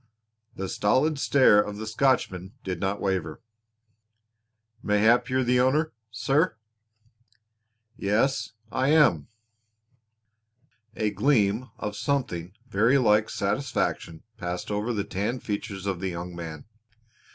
The stolid stare of the Scotchman did not waver. "Mayhap you're the owner, sir." "Yes, I am." A gleam of something very like satisfaction passed over the tanned features of the young man.